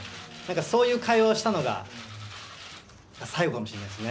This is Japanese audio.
そういう会話をしたのが最後かもしれないですね。